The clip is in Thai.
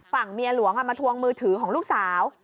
ฝั่งเมียหลวงมาทวงมือถือของลูกสาว